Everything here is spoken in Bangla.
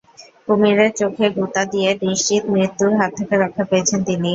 কুমিরের চোখে গুঁতো দিয়ে নিশ্চিত মৃত্যুর হাত থেকে রক্ষা পেয়েছেন তিনি।